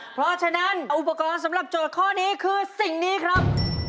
เพราะฉะนั้นอุปกรณ์สำหรับโจทย์ข้อนี้คือสิ่งนี้ครับ